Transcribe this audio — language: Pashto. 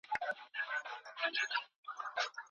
هلته انسانانو ډېر تکليفونه وګالل.